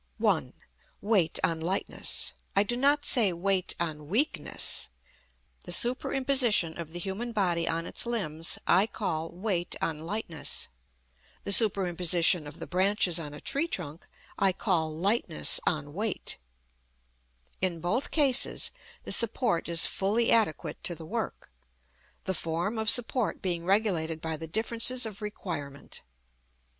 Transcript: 1. Weight on lightness: I do not say weight on weakness. The superimposition of the human body on its limbs I call weight on lightness: the superimposition of the branches on a tree trunk I call lightness on weight: in both cases the support is fully adequate to the work, the form of support being regulated by the differences of requirement.